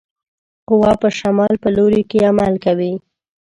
قوه په شمال په لوري کې عمل کوي.